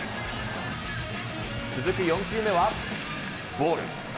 続く４球目はボール。